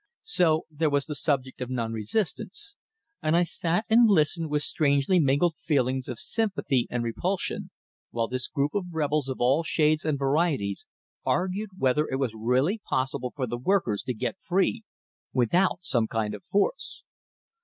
So there was the subject of non resistance, and I sat and listened with strangely mingled feelings of sympathy and repulsion, while this group of rebels of all shades and varieties argued whether it was really possible for the workers to get free without some kind of force.